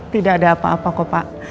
tidak ada apa apa kok pak